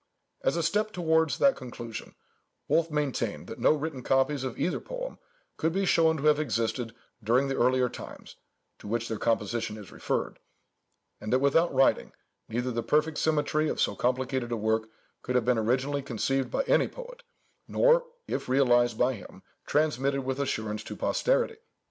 As a step towards that conclusion, Wolf maintained that no written copies of either poem could be shown to have existed during the earlier times, to which their composition is referred; and that without writing, neither the perfect symmetry of so complicated a work could have been originally conceived by any poet, nor, if realized by him, transmitted with assurance to posterity.